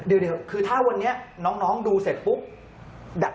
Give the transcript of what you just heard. เดี๋ยวคือถ้าวันนี้น้องดูเสร็จปุ๊บ